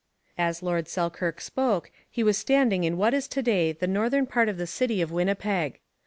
As Lord Selkirk spoke, he was standing in what is to day the northern part of the city of Winnipeg.